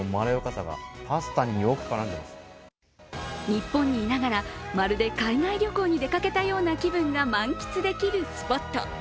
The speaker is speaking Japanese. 日本にいながら、まるで海外旅行に出かけたような気分が満喫できるスポット。